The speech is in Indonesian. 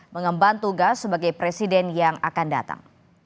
mengemban tugas sebagai presiden yang akan datang